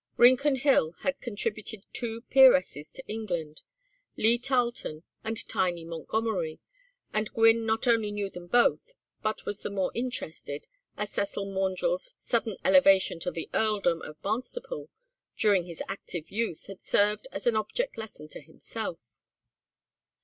Rincon Hill had contributed two peeresses to England, Lee Tarlton and Tiny Montgomery, and Gwynne not only knew them both, but was the more interested, as Cecil Maundrell's sudden elevation to the earldom of Barnstaple during his active youth had served as an object lesson to himself.